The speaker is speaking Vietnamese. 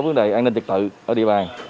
vấn đề an ninh trật tự ở địa bàn